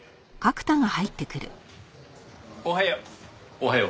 おはよう。